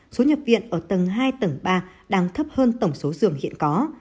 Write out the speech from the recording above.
số nhập viện ở tầng hai tầng ba đang thấp hơn tổng số giường hiện có